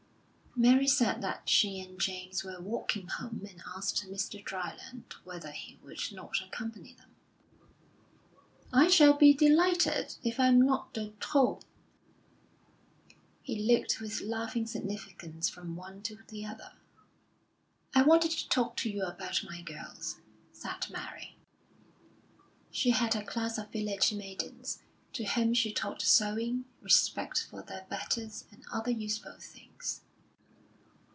Mary said that she and James were walking home, and asked Mr. Dryland whether he would not accompany them. "I shall be delighted, if I'm not de trop." He looked with laughing significance from one to the other. "I wanted to talk to you about my girls," said Mary. She had a class of village maidens, to whom she taught sewing, respect for their betters, and other useful things.